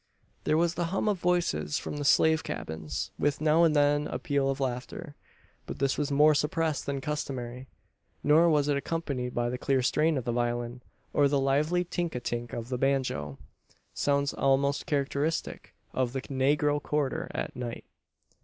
There was the hum of voices from the slave cabins; with now and then a peal of laughter. But this was more suppressed than customary; nor was it accompanied by the clear strain of the violin, or the lively tink a tink of the banjo sounds almost characteristic of the "negro quarter," at night.